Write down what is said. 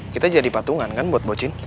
kita jadi patungan kan buat boccine